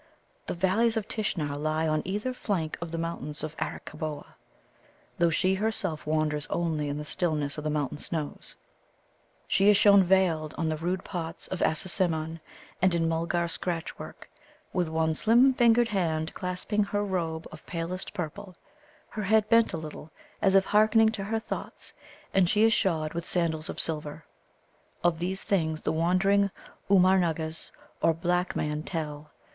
The Valleys of Tishnar lie on either flank of the Mountains of Arakkaboa, though she herself wanders only in the stillness of the mountain snows. She is shown veiled on the rude pots of Assasimmon and in Mulgar scratch work, with one slim fingered hand clasping her robe of palest purple, her head bent a little, as if hearkening to her thoughts; and she is shod with sandals of silver. Of these things the wandering Oomgar nuggas, or black men, tell.